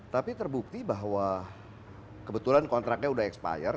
tapi terbukti bahwa kebetulan kontraknya sudah expired